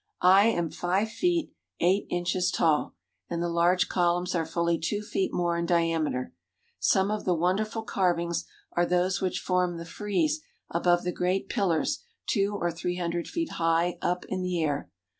I am five feet eight inches tall and the large columns are fully two feet more in diameter. Some of the wonderful carvings are those which form the frieze above the great pillars two or three hundred feet high up in the air.